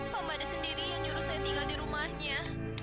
pak made sendiri yang nyuruh saya tinggal di rumahnya